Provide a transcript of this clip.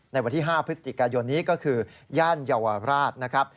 ในวันที่๕พฤศจิกายนนี้ก็คือย่านเยาวราชนะครับ